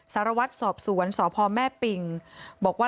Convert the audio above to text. สารวัติศาสตร์สวนสมปิงบอกว่า